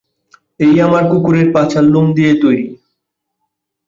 এটা আমার কুকুরের পাছার লোম দিয়ে তৈরি।